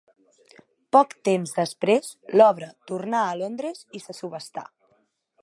Poc temps després, l’obra tornà a Londres i se subhastà.